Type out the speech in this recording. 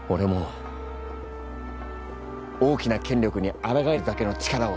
大きな権力にあらがえるだけの力を。